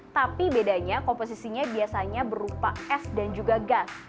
tapi bedanya komposisinya biasanya berupa es dan juga gas